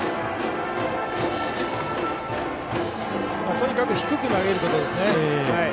とにかく低く投げることですね。